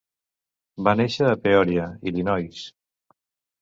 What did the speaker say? Va néixer a Peoria, Illinois.